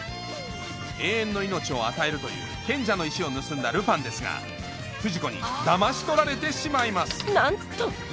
永遠の命を与えるという賢者の石を盗んだルパンですが不二子にだまし取られてしまいますなんと！